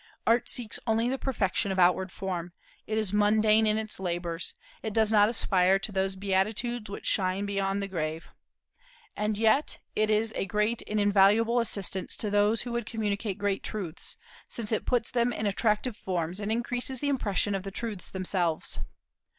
Art seeks only the perfection of outward form; it is mundane in its labors; it does not aspire to those beatitudes which shine beyond the grave. And yet it is a great and invaluable assistance to those who would communicate great truths, since it puts them in attractive forms and increases the impression of the truths themselves.